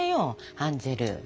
ハンゼル。